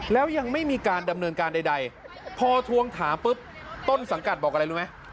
แล้วยังไม่มีการดำเนินการใดพอทวงถามปุ๊บต้นสังกัดบอกอะไรรู้ไหม